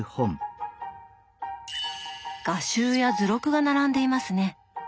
画集や図録が並んでいますね。